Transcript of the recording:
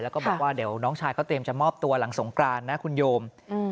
แล้วก็บอกว่าเดี๋ยวน้องชายเขาเตรียมจะมอบตัวหลังสงกรานนะคุณโยม